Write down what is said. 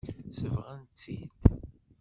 Sebɣen-tt-id.